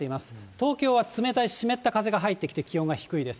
東京は冷たい湿った風が入ってきて、気温が低いです。